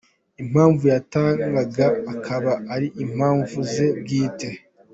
Impamvu yatangaga akaba ari impamvu ze bwite.